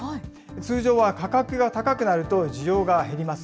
通常は価格が高くなると、需要が減ります。